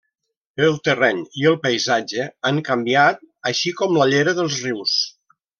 El terreny i el paisatge han canviat, així com la llera dels rius.